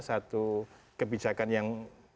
satu kebijakan yang